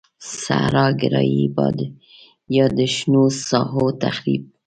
صحرا ګرایی یا د شنو ساحو تخریب.